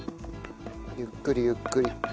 ゆっくりゆっくり。